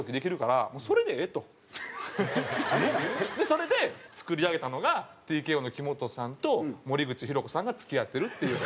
それで作り上げたのがＴＫＯの木本さんと森口博子さんが付き合ってるっていう。